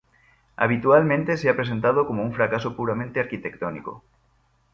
Habitualmente se ha presentado como un fracaso puramente arquitectónico.